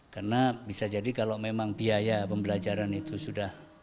karena bisa jadi kalau memang biaya pembelajaran itu sudah